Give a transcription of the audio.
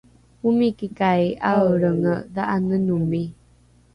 omikikai ’aelrenge dha’anenomi?